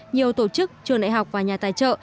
nhiều tổ chức trường đại học và nhà tài trợ